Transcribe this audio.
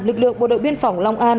lực lượng bộ đội biên phòng long an